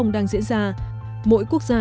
đang diễn ra mỗi quốc gia